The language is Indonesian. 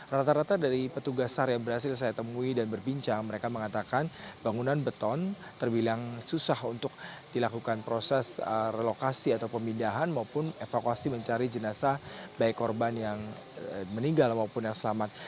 rata rata dari petugas sar yang berhasil saya temui dan berbincang mereka mengatakan bangunan beton terbilang susah untuk dilakukan proses relokasi atau pemindahan maupun evakuasi mencari jenazah baik korban yang meninggal maupun yang selamat